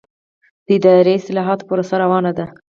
د اداري اصلاحاتو پروسه روانه ده؟